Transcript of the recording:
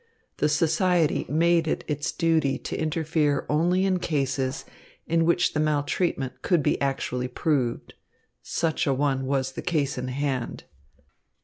The society made it its duty to interfere only in cases in which the maltreatment could be actually proved. Such a one was the case in hand.